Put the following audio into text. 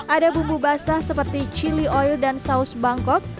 ada bumbu basah seperti chili oil dan saus bangkok